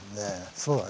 そうだね